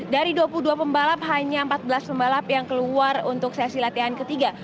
dari dua puluh dua pembalap hanya empat belas pembalap yang keluar untuk sesi latihan ketiga